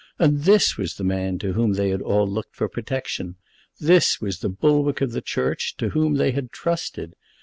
And this was the man to whom they had all looked for protection! This was the bulwark of the Church, to whom they had trusted!